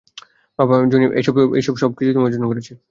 বাবা, জনি এইসব কিছু তোমার জন্য করেছে।